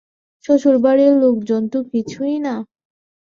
শ্বশুর বাড়ির লোকজন তো কিছুই না।